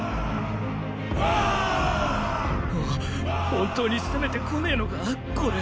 本当に攻めて来ねェのかこれ。